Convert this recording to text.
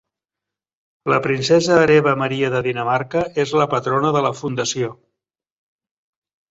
La princesa hereva Maria de Dinamarca és la patrona de la fundació.